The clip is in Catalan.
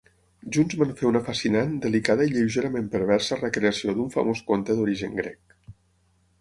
Junts van fer una fascinant, delicada i lleugerament perversa recreació d'un famós conte d'origen grec.